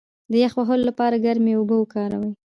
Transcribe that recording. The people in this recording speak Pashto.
د یخ وهلو لپاره ګرمې اوبه وکاروئ